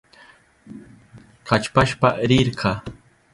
Kallpashpa rirka.